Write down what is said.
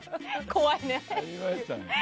怖いね。